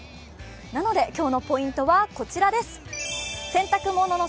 なので今日のポイントはこちらです。